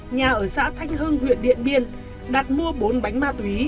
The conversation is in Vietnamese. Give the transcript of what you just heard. nhà ở xã thanh hưng huyện điện biên đặt mua bốn bánh ma túy